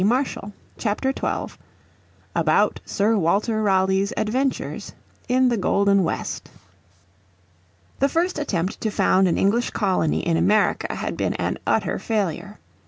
__________ Chapter 12 About Sir Walter Raleigh's Adventures in the Golden West The first attempt to found an English colony in America had been an utter failure.